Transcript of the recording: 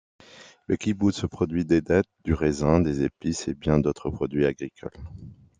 Le kibboutz produit des dattes, du raisin, des épices et bien d'autres produits agricoles.